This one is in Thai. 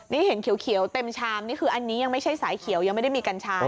นี่เห็นเขียวเต็มชามนี่คืออันนี้ยังไม่ใช่สายเขียวยังไม่ได้มีกัญชา